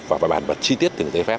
và bài bản và chi tiết